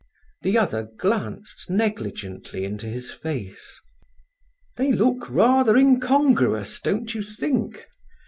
The other glanced negligently into his face. "They look rather incongruous, don't you think?